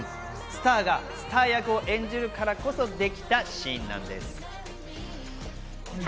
スターがスター役を演じるからこそできたシーンなんです。